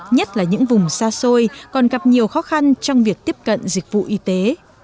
nhất là những vùng xa xôi còn gặp nhiều khó khăn trong việc tiếp cận dịch vụ y tế